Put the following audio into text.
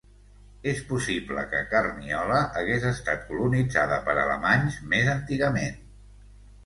És possible que Carniola hagués estat colonitzada per alemanys més antigament.